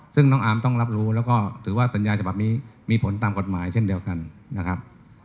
ซึ่งน้องอาร์มต้องรับรู้แล้วก็ถือว่าสัญญาฉบับนี้มีผลตามกฎหมายเช่นเดียวกันนะครับ